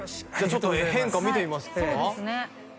ちょっと変化を見てみますか？